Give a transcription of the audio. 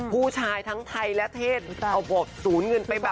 ผู้ชายทั้งไทยและเทศเอาบอกศูนย์เงินไปแบบ